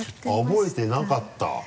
覚えてなかった？